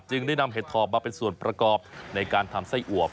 ได้นำเห็ดถอบมาเป็นส่วนประกอบในการทำไส้อวบ